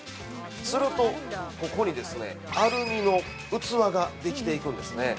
すると、ここにアルミの器ができていくんですね。